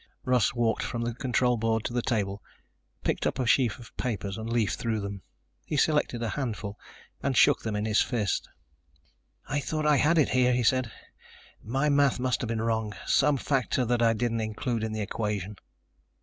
Russ walked from the control board to the table, picked up a sheaf of papers and leafed through them. He selected a handful and shook them in his fist. "I thought I had it here," he said. "My math must have been wrong, some factor that I didn't include in the equation."